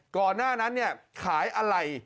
ก่อนหน้านั้นเนี่ยขายอะไร